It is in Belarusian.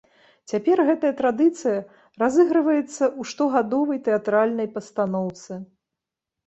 Цяпер гэтая традыцыя разыгрываецца ў штогадовай тэатральнай пастаноўцы.